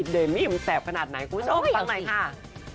เดมี่มันแสบขนาดไหนคุณผู้ชมไปฟังหน่อยค่ะ